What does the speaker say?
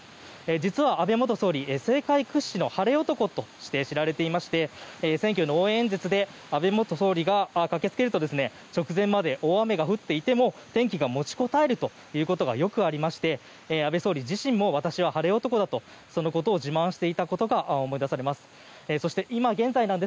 実は、安倍元総理政界屈指の晴れ男として知られていまして選挙の応援演説で安倍元総理が駆け付けると直前まで大雨が降っていても天気が持ちこたえることがよくありまして安倍総理自身も私は晴れ男だとそのことを自慢していたことが思い出されます。